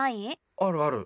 あるある。